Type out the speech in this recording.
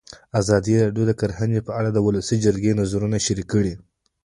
ازادي راډیو د کرهنه په اړه د ولسي جرګې نظرونه شریک کړي.